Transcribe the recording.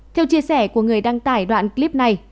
theo chia sẻ của người đăng tải đoạn clip này